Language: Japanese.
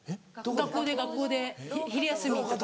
学校で学校で昼休みとか。